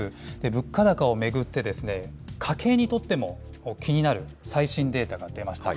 物価高を巡って、家計にとっても気になる最新データが出ました。